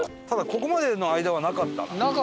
ただここまでの間はなかったな。